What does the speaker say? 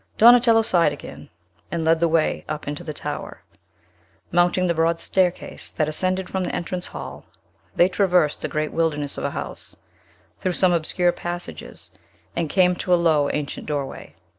Donatello sighed again, and led the way up into the tower. Mounting the broad staircase that ascended from the entrance hall, they traversed the great wilderness of a house, through some obscure passages, and came to a low, ancient doorway.